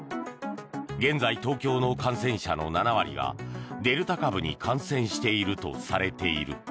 現在、東京の感染者の７割がデルタ株に感染しているとされている。